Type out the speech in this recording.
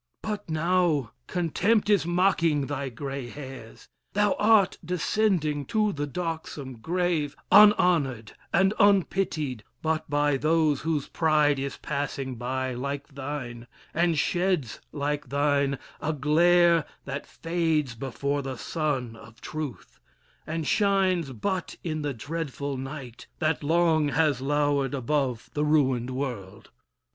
But now contempt is mocking thy gray hairs; Thou art descending to the darksome grave, Unhonored and unpitied, but by those Whose pride is passing by like thine, and sheds Like thine, a glare that fades before the sun Of truth, and shines but in the dreadful night That long has lowered above the ruined world."